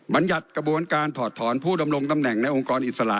บรรยัติกระบวนการถอดถอนผู้ดำรงตำแหน่งในองค์กรอิสระ